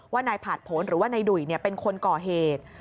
ว่านายผ่านผลหรือว่านายดุ่ยเป็นคนก่อเหตุ